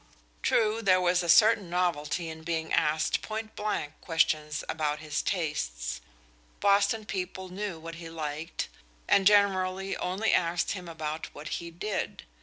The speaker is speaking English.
True, there was a certain novelty in being asked point blank questions about his tastes. Boston people knew what he liked, and generally only asked him about what he did.